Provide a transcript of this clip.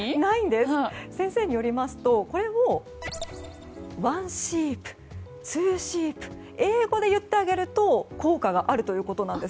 先生によりますとこれをワンシープ、ツーシープと英語で言ってあげると効果があるということなんです。